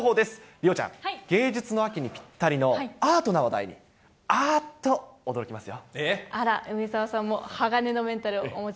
梨央ちゃん、芸術の秋にぴったりのアートな話題、あーっと驚きますよ。